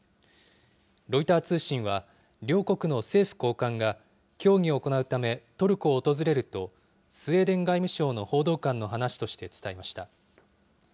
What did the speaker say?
ロイター通信は、両国の政府高官が協議を行うためトルコを訪れると、スウェーデン外務省の報道官の話として伝えました。